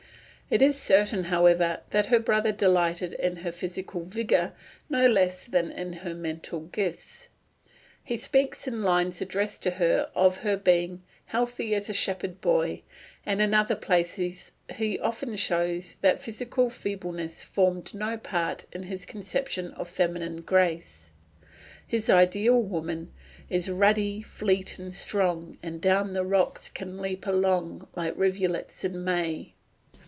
It is certain, however, that her brother delighted in her physical vigour no less than in her mental gifts. He speaks in lines addressed to her of her being "healthy as a shepherd boy," and in other places he often shows that physical feebleness formed no part of his conception of feminine grace. His ideal woman is ruddy, fleet and strong, And down the rocks can leap along Like rivulets in May.